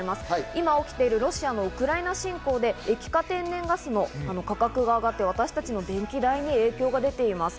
今、起きているロシアのウクライナ侵攻で液化天然ガスの価格が上がり、私達の電気代にも影響が出ています。